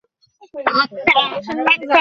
এই চার পুত্র বাবার মতো আব্বাসীয় দরবারে কাজ করতো।